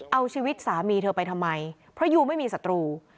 เอาชีวิตสามีเธอไปทำไมเพราะยูไม่มีศัตรู